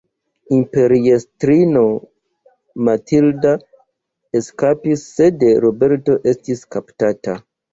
Imperiestrino Matilda eskapis sed Roberto estis kaptata.